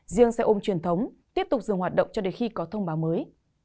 riêng xe ôm truyền thống tiếp tục dừng hoạt động cho đến khi có thông báo mới